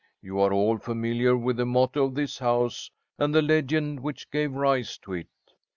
You are all familiar with the motto of this house, and the legend which gave rise to it.